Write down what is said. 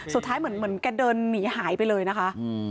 สุดท้ายเหมือนแกเดินหนีหายไปเลยนะคะ